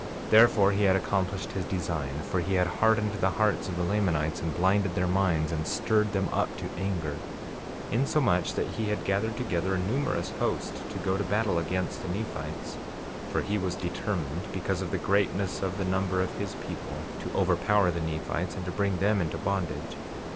48:3 Therefore he had accomplished his design, for he had hardened the hearts of the Lamanites and blinded their minds, and stirred them up to anger, insomuch that he had gathered together a numerous host to go to battle against the Nephites. 48:4 For he was determined, because of the greatness of the number of his people, to overpower the Nephites and to bring them into bondage.